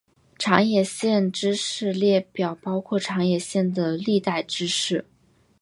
长野县知事列表包括长野县的历代知事。